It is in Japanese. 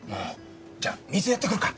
じゃ水やってくるか。